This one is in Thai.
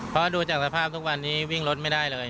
เพราะดูจากสภาพทุกวันนี้วิ่งรถไม่ได้เลย